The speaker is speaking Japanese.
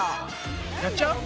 やっちゃう？